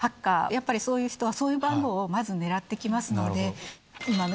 やっぱりそういう人は、そういう番号をまず狙ってきますので。